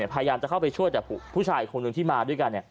พยายามจะเข้าไปช่วยแต่ผู้ชายคนหนึ่งที่มาด้วยกัน